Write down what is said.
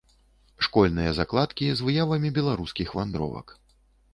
Школьныя закладкі з выявамі беларускіх вандровак.